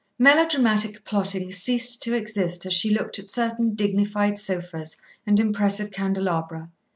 Melodramatic plotting ceased to exist as she looked at certain dignified sofas and impressive candelabra.